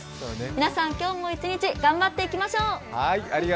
皆さん、今日も一日頑張っていきましょう！